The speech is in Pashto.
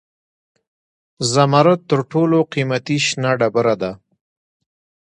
زمرد تر ټولو قیمتي شنه ډبره ده.